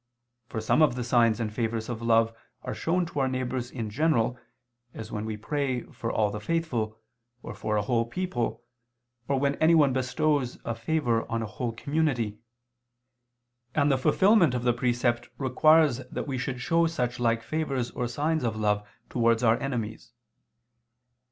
For some of the signs and favors of love are shown to our neighbors in general, as when we pray for all the faithful, or for a whole people, or when anyone bestows a favor on a whole community: and the fulfilment of the precept requires that we should show such like favors or signs of love towards our enemies.